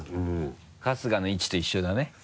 春日の位置と一緒だね。